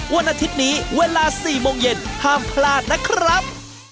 วันอาทิตย์นี้เวลา๔โมงเย็นห้ามพลาดนะครับ